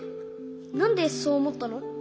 なんでそうおもったの？